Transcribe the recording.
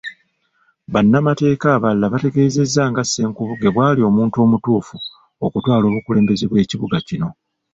Bannamateeka abalala bategeezezza nga Ssenkubuge bw'ali omuntu omutuufu okutwala obukulembeze bw'ekibuga kino.